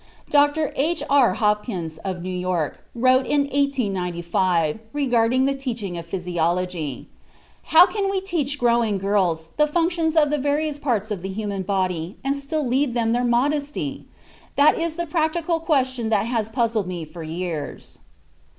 Dr. H.R. Hopkins, of New York, wrote in 1895, regarding the teaching of physiology: "How can we teach growing girls the functions of the various parts of the human body, and still leave them their modesty? That is the practical question that has puzzled me for years."